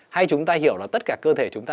hay chúng ta hiểu là tất cả cơ thể chúng ta